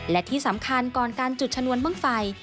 และที่สำคัญก่อนการจุดชนวนบ้างไฟ